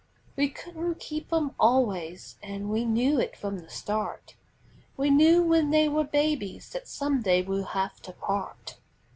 We couldn't keep 'em always an' we knew it from the start; We knew when they were babies that some day we'd have to part.